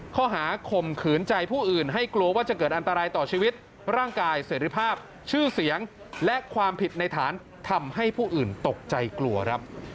ข้อหาข่มขืนใจผู้อื่นให้กลัวว่าจะเกิดอันตรายต่อชีวิตร่างกายเสร็จภาพชื่อเสียงและความผิดในฐานทำให้ผู้อื่นตกใจกลัวครับ